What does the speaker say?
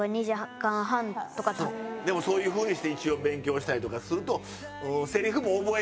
でもそういうふうにして一応勉強したりとかすると。